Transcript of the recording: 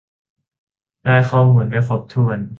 ได้ข้อมูลไม่ครบถ้วน